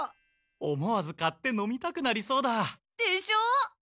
思わず買って飲みたくなりそうだ。でしょう？